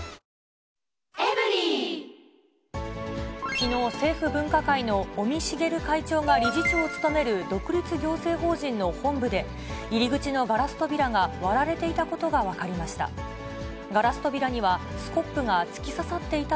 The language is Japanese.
きのう、政府分科会の尾身茂会長が理事長を務める独立行政法人の本部で、入り口のガラス扉が割られていたことが分かりました。